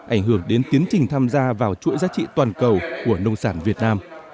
ảnh hưởng đến tiến trình tham gia vào chuỗi giá trị toàn cầu của nông sản việt nam